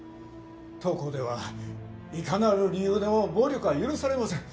当校ではいかなる理由でも暴力は許されません。